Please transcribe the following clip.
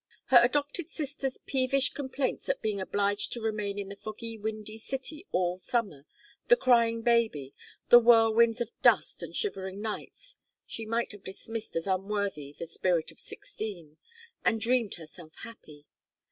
Her adopted sister's peevish complaints at being obliged to remain in the foggy windy city all summer, the crying baby, the whirlwinds of dust and shivering nights, she might have dismissed as unworthy the spirit of sixteen, and dreamed herself happy.